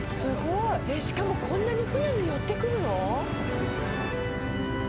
しかもこんなに船に寄ってくるの⁉